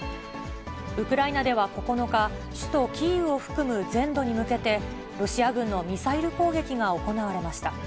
ウクライナでは９日、首都キーウを含む全土に向けて、ロシア軍のミサイル攻撃が行われました。